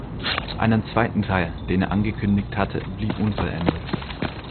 Einen zweiten Teil, den er angekündigt hatte, blieb unvollendet.